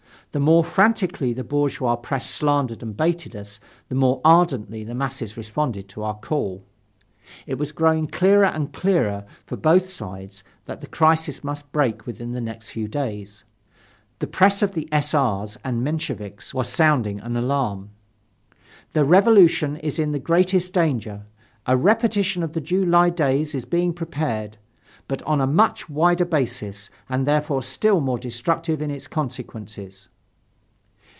The more frantically the bourgeois press slandered and baited us, the more ardently the masses responded to our call. It was growing clearer and clearer for both sides that the crisis must break within the next few days. The press of the S. R.'s and Mensheviks was sounding an alarm. "The Revolution is in the greatest danger. A repetition of the July days is being prepared but on a much wider basis and therefore still more destructive in its consequences."